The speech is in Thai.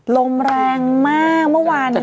ลมแรงมากมะวันนี้